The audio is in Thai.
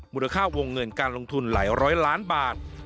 มูลค่าวงเงินการลงทุนหลายร้อยล้านบาท